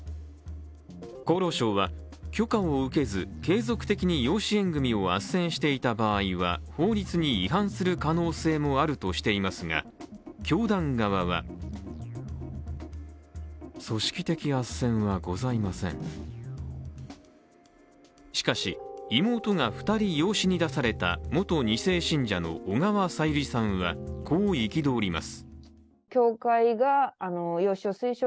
厚労省は、許可を受けず継続的に養子縁組をあっせんしていた場合は法律に違反する可能性もあるとしていますが、教団側はしかし、妹が２人養子に出された元２世信者の小川さゆりさんはこう憤ります。